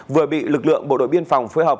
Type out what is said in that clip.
vừa bị lực lượng bộ đội biên phòng phối hợp